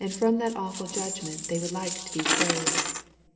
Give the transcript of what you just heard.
2^ from that awful judgment they would like to be saved.